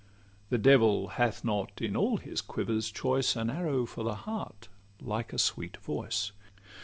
The devil hath not in all his quiver's choice An arrow for the heart like a sweet voice.